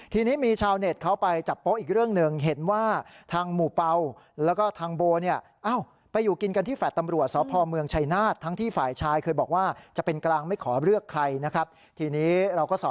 ทีนี้มีชาวแน็ตเขาไปจับโป๊ออ